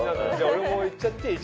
俺もいっちゃっていい？